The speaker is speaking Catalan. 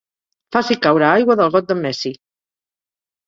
Faci caure aigua del got d'en Messi.